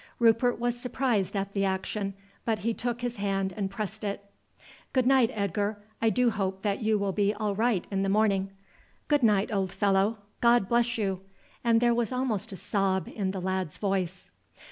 Rupert was surprised at the action, but took his hand and pressed it. "Good night, Edgar. I do hope that you will be all right in the morning." "Good night, old fellow. God bless you!" and there was almost a sob in the lad's voice.